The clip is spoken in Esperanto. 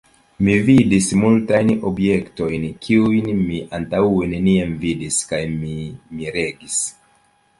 Mi vidis multajn objektojn, kiujn mi antaŭe neniam vidis, kaj mi miregis.